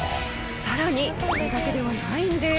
さらにこれだけではないんです。